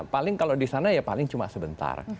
paling kalau di sana ya paling cuma sebentar